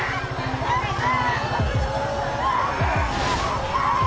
誰か！